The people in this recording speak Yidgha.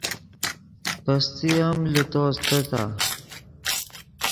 پیستے ام لے تو استتآ